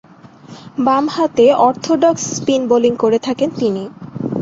বামহাতে orthodox spin bowling করে থাকেন তিনি।